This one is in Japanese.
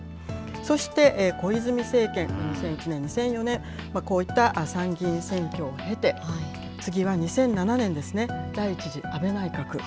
そして、小泉政権、２００１年、２００４年、こういった参議院選挙を経て、次は２００７年ですね、第１次安倍内閣。